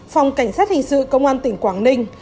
phòng cảnh sát hình sự công an tỉnh quảng ninh